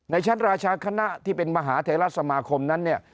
ชั้นราชาคณะที่เป็นมหาเทราสมาคมนั้นเนี่ย